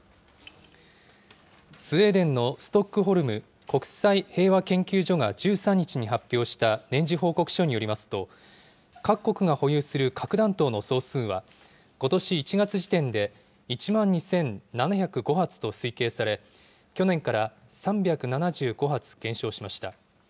スウェーデンのストックホルム国際平和研究所が１３日に発表した年次報告書によりますと、各国が保有する核弾頭の総数は、ことし１月時点で１万２７０５発と推計され、去年から３７５発減少しました。